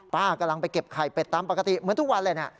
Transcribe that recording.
กำลังไปเก็บไข่เป็ดตามปกติเหมือนทุกวันเลยนะ